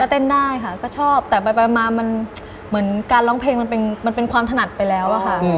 เต้นได้ค่ะก็ชอบแต่ไปมามันเหมือนการร้องเพลงมันเป็นความถนัดไปแล้วอะค่ะ